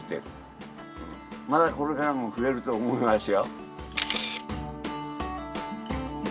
まだこれからも増えると思いますよ。